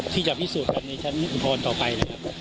ที่จะพิสูจน์กันในชั้นอุทธรณ์ต่อไปนะครับ